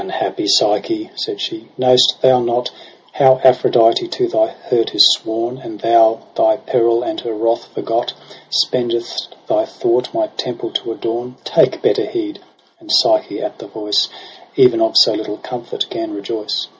II 'Unhappy Psyche,' said she, 'knoVst thou not How Aphrodite to thy hurt is sworn ? And thou, thy peril and her wrath forgot, Spendcst thy thought my temple to adorn. Take better heed !'— And Psyche, at the voice Even of so little comfort, gan rejoice.